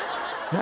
何？